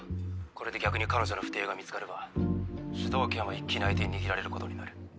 これで逆に彼女の不貞が見つかれば主導権は一気に相手に握られることになる。